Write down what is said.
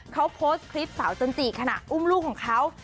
เขาโพสต์คลิปสาวจันจิขณะอุ้มลูกของเขา